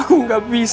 aku tidak bisa